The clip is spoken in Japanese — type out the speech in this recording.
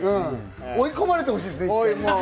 追い込まれてほしいですね。